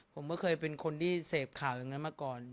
ผมก็เคยเป็นคนที่เสพข่าวอย่างนั้นมาก่อน